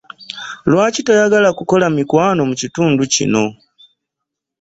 Lwaki toyagala kukola mikwano mu kitundu kino?